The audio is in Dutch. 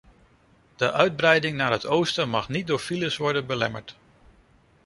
De uitbreiding naar het oosten mag niet door files worden belemmerd.